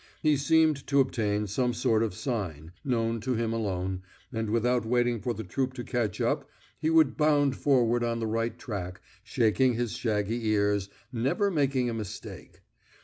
He seemed to obtain some sort of sign, known to him alone, and without waiting for the troupe to catch up he would bound forward on the right track, shaking his shaggy ears, never making a mistake.